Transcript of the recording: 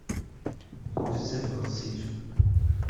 Bezzaf ɣezzif.